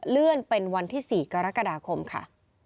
เลื่อนเป็นวันที่๔กรกฎาคมค่ะ